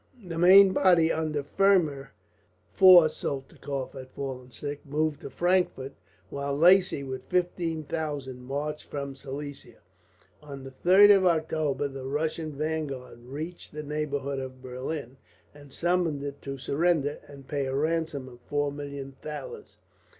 The main body, under Fermor, for Soltikoff had fallen sick, moved to Frankfort; while Lacy, with fifteen thousand, marched from Silesia. On the 3rd of October the Russian vanguard reached the neighbourhood of Berlin, and summoned it to surrender, and pay a ransom of four million thalers.